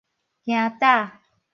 行踏